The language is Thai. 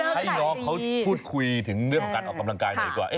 ให้น้องเขาหุดขุยถึงการออกกำลังกายหน่อยกว่า